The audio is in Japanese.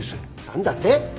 何だって！？